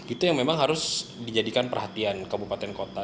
itu yang memang harus dijadikan perhatian kabupaten kota